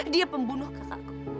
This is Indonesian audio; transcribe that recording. dia pembunuh kakakku